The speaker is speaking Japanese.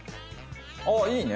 ああいいね！